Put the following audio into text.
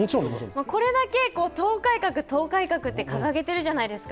これだけ党改革、党改革って掲げてるじゃないですか。